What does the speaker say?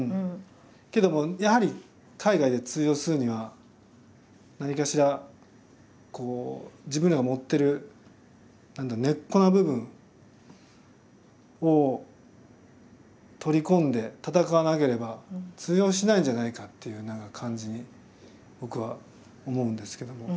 けどもやはり海外で通用するには何かしらこう自分らが持ってる根っこの部分を取り込んで戦わなければ通用しないんじゃないかっていう感じに僕は思うんですけども。